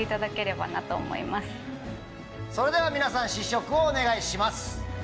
それでは皆さん試食をお願いします。